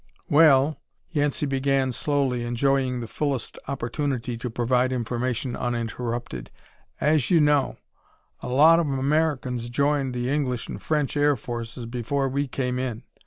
"Well " Yancey began slowly, enjoying to the fullest the opportunity to provide information uninterrupted, "as you know, a lot of Americans joined the English and French air forces before we came in.